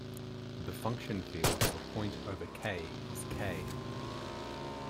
The function field of a point over "K" is "K".